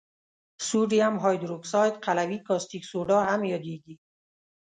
سودیم هایدروکساید قلوي کاستیک سوډا هم یادیږي.